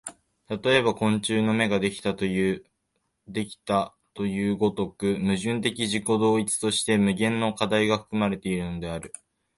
例えば昆虫の眼ができたという如く、矛盾的自己同一として無限の課題が含まれているのである。